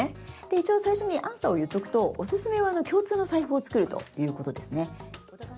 一応、最初にアンサーを言っておくとおすすめは共通の財布を作るということですね。